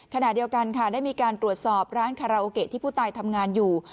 ขณะเดียวกันค่ะได้มีการตรวจสอบร้านคาราโอเกะที่ผู้ตายทำงานอยู่